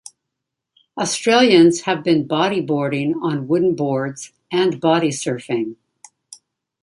Australians had been bodyboarding on wooden boards, and bodysurfing.